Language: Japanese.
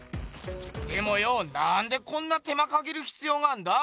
でもよなんでこんな手間かけるひつようがあんだ？